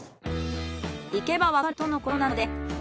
行けばわかるとのことなので。